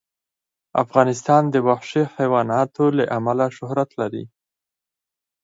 افغانستان د وحشي حیواناتو له امله شهرت لري.